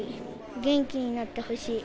元気になってほしい。